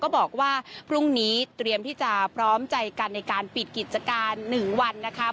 บอกว่าพรุ่งนี้เตรียมที่จะพร้อมใจกันในการปิดกิจการ๑วันนะคะ